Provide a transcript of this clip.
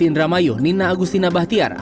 bupati ndramayu nina agustina bahtiar